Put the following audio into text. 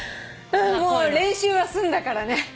もう練習は済んだからね！